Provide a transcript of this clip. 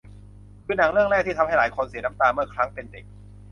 คือหนังเรื่องแรกที่ทำให้หลายคนเสียน้ำตาเมื่อครั้งเป็นเด็ก